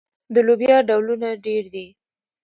د لوبیا ډولونه ډیر دي.